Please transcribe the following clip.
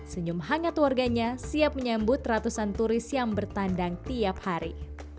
senyum hangat warganya siap menyambut ratusan turis yang bertandang tiap hari